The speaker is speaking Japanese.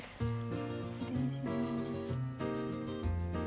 失礼します。